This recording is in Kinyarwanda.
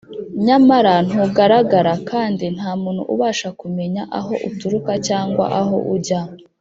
nyamara ntugaragara, kandi nta muntu ubasha kumenya aho uturuka cyangwa aho ujya